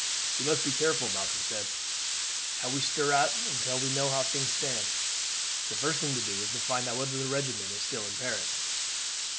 "We must be careful," Malcolm said, "how we stir out until we know how things stand. The first thing to do is to find out whether the regiment is still in Paris."